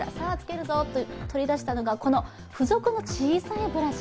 取り出したのが付属の小さいブラシ。